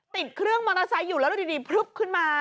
ติดเครื่องมอเตอร์ไซค์อยู่แล้วดูดีพลึบขึ้นมา